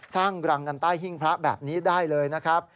สร้างรังกันใต้หิ้งพระแบบนี้ได้เลยนะครับ